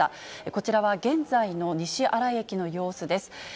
こちらは現在の西新井駅の様子です。